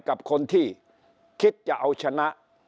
กับคนที่คิดจะเอาชนะ